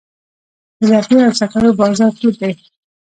د لرګیو او سکرو بازار تود دی؟